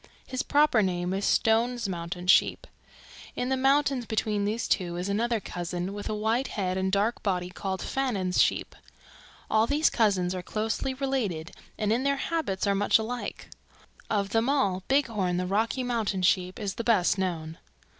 His proper name is Stone's Mountain Sheep. In the mountains between these two is another cousin with a white head and dark body called Fannin's sheep. All these cousins are closely related and in their habits are much alike. Of them all, Bighorn the Rocky Mountain Sheep is the best known."